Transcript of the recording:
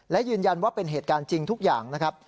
และยืนยันว่าเป็นเหตุการณ์จริงทุกอย่างนะครับ